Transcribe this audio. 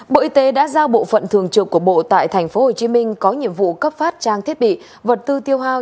bộ y tế đã giao bộ phận thường trực của bộ tại tp hcm có nhiệm vụ cấp phát trang thiết bị vật tư tiêu hao